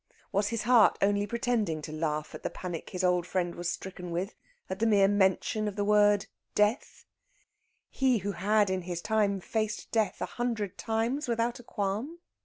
Was his heart only pretending to laugh at the panic his old friend was stricken with at the mere mention of the word "death" he who had in his time faced death a hundred times without a qualm?